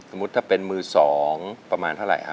สมมุติถ้าเป็นมือสองประมาณเท่าไหร่ครับ